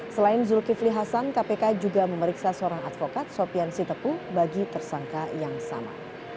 selain zulkifli hasan kpk juga memeriksa seorang advokat sopian sitepu bagi tersangka yang sama